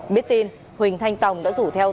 biết tin huỳnh thanh tòng đã rủ theo